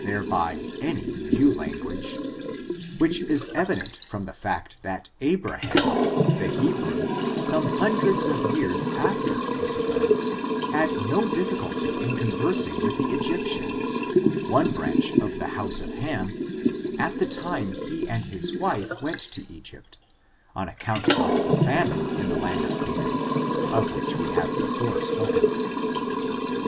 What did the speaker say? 283 thereby any new languages ; which is evident from the fact that Abraham, the Hebrew, some hundreds of years after this occurrence, had no difficulty in conversing with the Egyptians, one branch of the house of Ham, at the time he and his wife went to Egypt, on account of the famine in the land of Ca naan, of which we have before spoken.